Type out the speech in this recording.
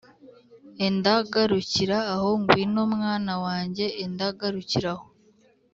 enda garukira aho ngwino mwana wanjye, enda garukira aho.’